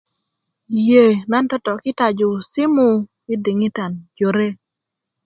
yee nan totokitaju simu yi diŋitan jore